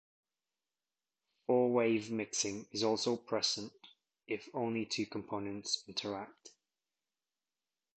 Four-wave mixing is also present if only two components interact.